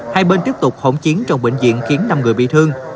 hai bên tiếp tục hỗn chiến trong bệnh viện khiến năm người bị thương